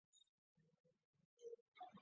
京都帝大法律系毕业。